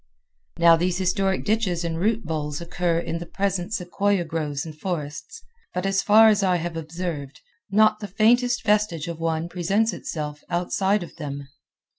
Now these historic ditches and root bowls occur in all the present sequoia groves and forests, but, as far as I have observed, not the faintest vestige of one presents itself outside of them.